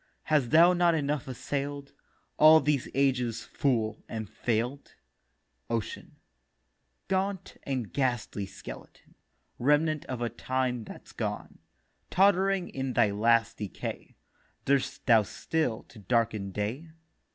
Hast thou not enough assail'd, All these ages, Fool, and fail'd?' OCEAN: 'Gaunt and ghastly Skeleton, Remnant of a time that's gone, Tott'ring in thy last decay Durst thou still to darken day?